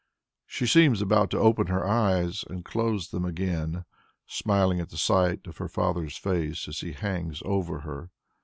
She seems about to open her eyes and close them again, smiling at the sight of her father's face as he hangs over her.